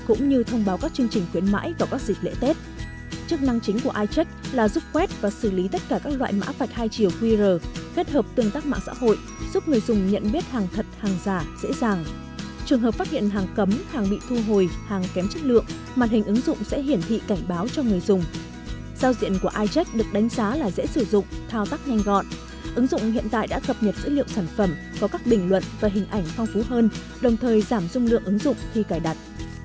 ứng dụng hiện tại đã cập nhật dữ liệu sản phẩm có các bình luận và hình ảnh phong phú hơn đồng thời giảm dung lượng ứng dụng khi cài đặt